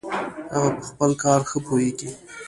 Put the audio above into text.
هغه په خپل کار ښه پوهیږي